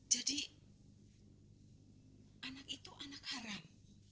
jadi anak itu anak haram